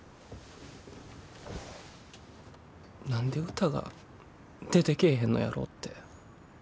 何で歌が出てけえへんのやろって。